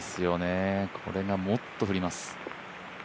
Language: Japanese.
これがもっと降ります。